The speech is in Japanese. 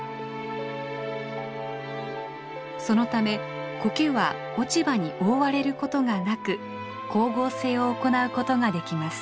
そのためコケは落ち葉に覆われることがなく光合成を行うことができます。